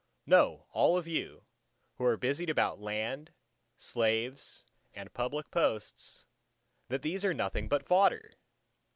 Know all of you, who are busied about land, slaves and public posts, that these are nothing but fodder!